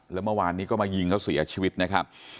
แล้วเมื่อวานนี้ก็มายิงเขาเสียชีวิตนะครับ